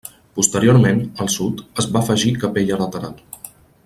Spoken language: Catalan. Posteriorment, al sud, es va afegir capella lateral.